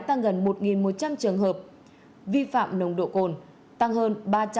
tăng gần một một trăm linh trường hợp vi phạm nồng độ cồn tăng hơn ba trăm sáu mươi hai